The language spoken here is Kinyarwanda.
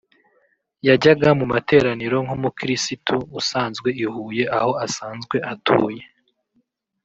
yajyaga mu materaniro nk’umukirisitu usanzwe i Huye aho asanzwe atuye